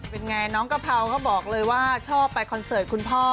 เป็นไงน้องกะเพราเขาบอกเลยว่าชอบไปคอนเสิร์ตคุณพ่อ